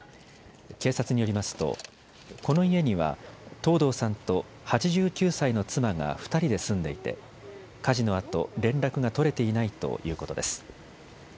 警察によりますとこの家には藤堂さんと８９歳の妻が２人で住んでいて火事のあと連絡が取れていないということです。